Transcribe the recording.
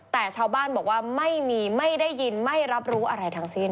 แต่ชาวบ้านบอกว่าไม่มีไม่ได้ยินไม่รับรู้อะไรทั้งสิ้น